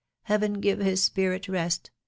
Heaven give his spirit rest !